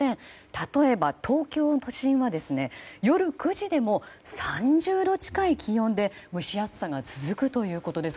例えば、東京都心は夜９時でも３０度近い気温で蒸し暑さが続くということです。